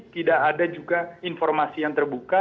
tidak ada juga informasi yang terbuka